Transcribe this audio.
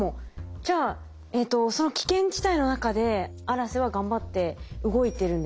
じゃあえとその危険地帯の中で「あらせ」は頑張って動いてるんですね。